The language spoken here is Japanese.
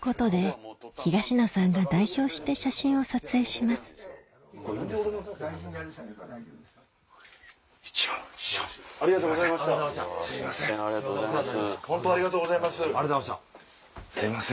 本当ありがとうございます。